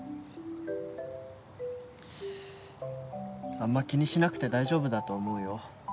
あんま気にしなくて大丈夫だと思うよ